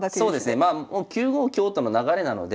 まあ９五香との流れなので。